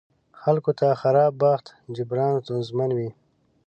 خلکو ته خراب بخت جبران ستونزمن وي.